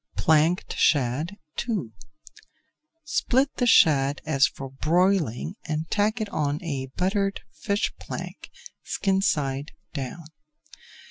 PLANKED SHAD II Split the shad as for broiling and tack it on a buttered fish plank, skin side down.